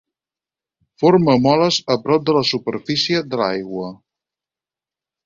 Forma moles a prop de la superfície de l'aigua.